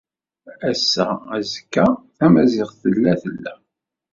Ass-a, azekka, tamaziɣt tella, tella.